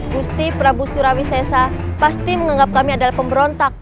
gusti prabu surawis sesa pasti menganggap kami adalah pemberontak